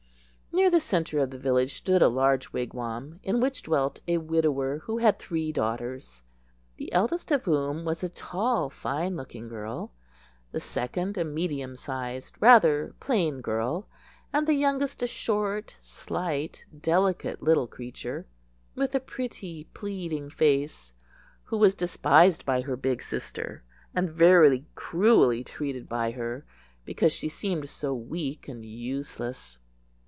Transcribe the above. Near the centre of the village stood a large wigwam, in which dwelt a widower who had three daughters, the eldest of whom was a tall, fine looking girl: the second a medium sized, rather plain girl; and the youngest a short, slight, delicate little creature, with a pretty, pleading face, who was despised by her big sister, and very cruelly treated by her, because she seemed so weak and useless.